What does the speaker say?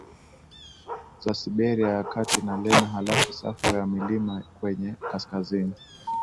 za Siberia ya Kati na Lena halafu safu za milima kwenye kaskazini